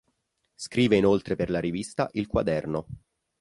Scrive inoltre per la rivista "il Quaderno".